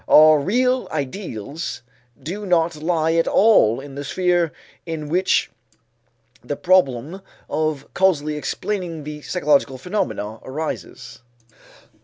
Our real ideals do not lie at all in the sphere in which the problem of causally explaining the psychological phenomena arises.